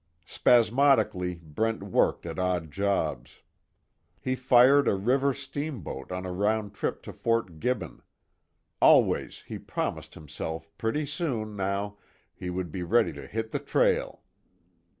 Spasmodically Brent worked at odd jobs. He fired a river steamboat on a round trip to Fort Gibbon. Always he promised himself pretty soon, now, he would be ready to hit the trail.